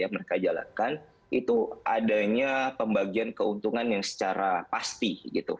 mereka jalankan itu adanya pembagian keuntungan yang secara pasti